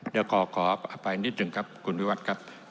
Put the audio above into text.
เดี๋ยวขออภัยนิดหนึ่งครับคุณวิวัตรครับ